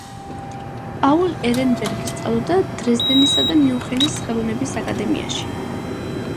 პაულ ერენბერგი სწავლობდა დრეზდენისა და მიუნხენის ხელოვნების აკადემიებში.